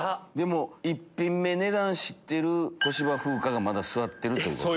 １品目値段知ってる小芝風花がまだ座ってる。